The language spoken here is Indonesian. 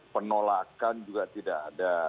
penolakan juga tidak ada